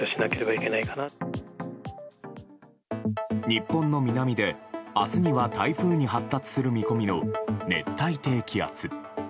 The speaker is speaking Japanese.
日本の南で明日には、台風に発達する見込みの熱帯低気圧。